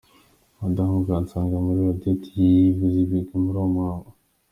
Madamu Kansanga Marie Odetta yivuze ibigwi muri uwo muhango.